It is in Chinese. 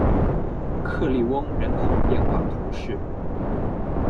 克利翁人口变化图示